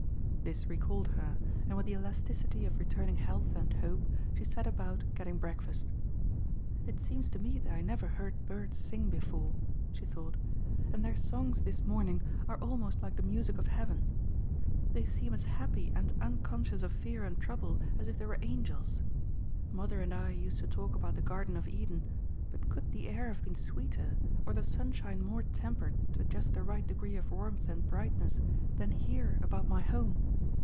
This recalled her, and with the elasticity of returning health and hope she set about getting breakfast. "It seems to me that I never heard birds sing before," she thought, "and their songs this morning are almost like the music of heaven. They seem as happy and unconscious of fear and trouble as if they were angels. Mother and I used to talk about the Garden of Eden, but could the air have been sweeter, or the sunshine more tempered to just the right degree of warmth and brightness than here about my home?